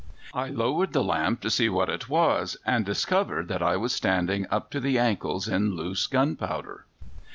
I lowered the lamp to see what it was, and discovered that I was standing up to the ankles in loose gunpowder!